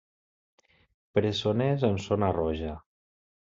Presoners en zona roja: